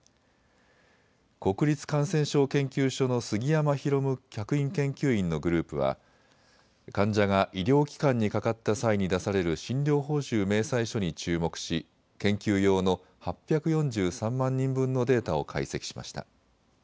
国立感染症研究所の杉山広客員研究員のグループは患者が医療機関にかかった際に出される診療報酬明細書に注目し研究用の８４３万人分のデータを解析しました。